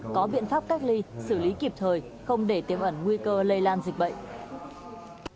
có biện pháp cách ly xử lý kịp thời không để tiêm ẩn nguy cơ lây lan dịch bệnh